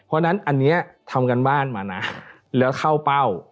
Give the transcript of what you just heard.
เพราะฉะนั้นอันนี้ทำการบ้านมานะแล้วเข้าเป้า